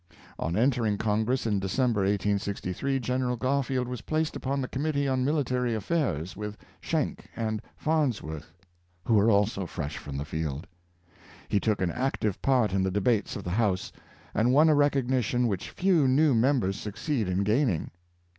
On entering Congress, in December, 1863, Gen. Gar field was placed upon the Committee on Military Affairs with Schenck and Farnsworth, who were also fresh from the field. He took an active part in the debates of the House, and won a recognition which few new members succeed in gaining.